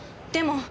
でも。